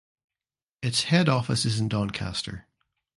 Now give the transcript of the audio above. Its head office is in Doncaster.